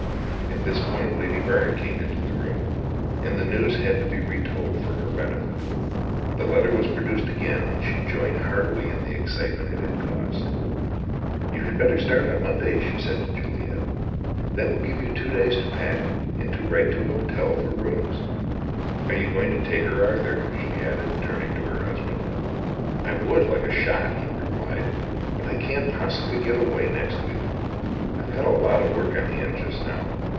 At this point Lady Byrne came into the room, and the news had to be retold for her benefit; the letter was produced again, and she joined heartily in the excitement it had caused. "You had better start on Monday," she said to Juliet. "That will give you two days to pack, and to write to an hotel for rooms. Are you going to take her, Arthur?" she added, turning to her husband. "I would, like a shot," he replied, "but I can't possibly get away next week. I've got a lot of work on hand just now.